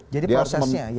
jadi prosesnya ya